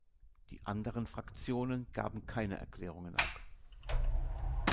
Die anderen Fraktionen gaben keine Erklärungen ab.